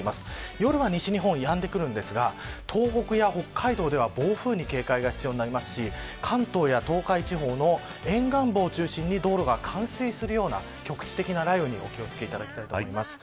夜は西日本、やんでくるんですが東北や北海道では暴風雨に警戒が必要になりますし関東や東海地方の沿岸部を中心に道路が冠水するような局地的な雷雨にお気を付けいただきたいと思います。